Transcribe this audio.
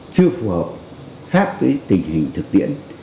chưa phù hợp sát với tình hình thực tiễn